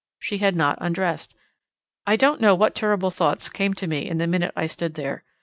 She had not undressed. I don't know what terrible thoughts came to me in the minute I stood there.